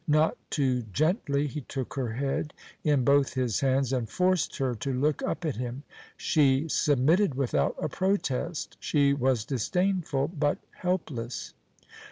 Not too gently, he took her head in both his hands and forced her to look up at him. She submitted without a protest. She was disdainful, but helpless.